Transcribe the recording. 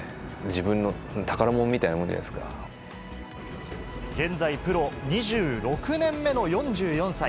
自分の宝物みたいなもんじゃない現在、プロ２６年目の４４歳。